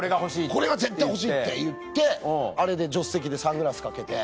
これが絶対欲しいって言ってあれで助手席でサングラス掛けて。